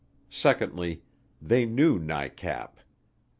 Secondly, they knew NICAP.